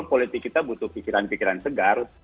politik kita butuh pikiran pikiran segar